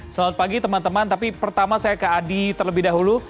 selamat pagi teman teman tapi pertama saya ke adi terlebih dahulu